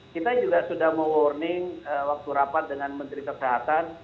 kita juga sudah mewarning waktu rapat dengan menteri kesehatan